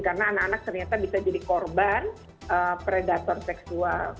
karena anak anak ternyata bisa jadi korban predator seksual